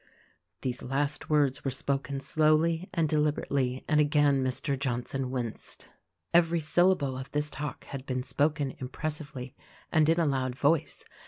These last words were spoken slowly and deliberately, and again Mr. Johnson winced. Every syllable of this talk had been spoken impressively and in a loud voice.